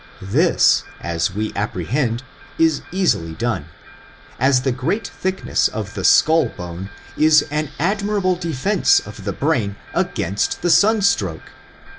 This, as we apprehend, is eas ily done, as the great thickness of the skull bone is an admirable defense of the brain against the sun stroke.